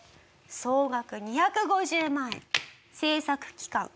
総額２５０万円製作期間